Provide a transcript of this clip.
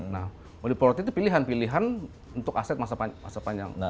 nah oliport itu pilihan pilihan untuk aset masa panjang